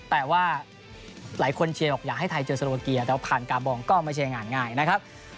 แต่ว่าหลายคนเชียร์บอกอยากให้ไทยเจอโซโลเกียแต่ว่าผ่านกาบองก็ไม่ใช่งานง่ายนะครับ